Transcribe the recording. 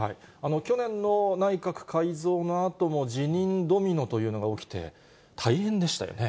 去年の内閣改造のあとも辞任ドミノというのが起きて、大変でしたよね。